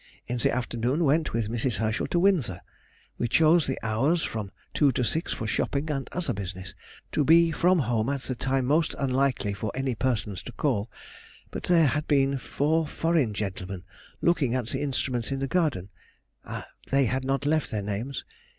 In the afternoon went with Mrs. Herschel to Windsor. We chose the hours from two to six for shopping and other business, to be from home at the time most unlikely for any persons to call, but there had been four foreign gentlemen looking at the instruments in the garden, they had not left their names.